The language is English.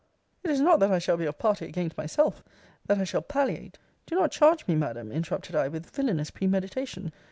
It is not that I shall be of party against myself? That I shall palliate Do not charge me, Madam, interrupted I, with villainous premeditation!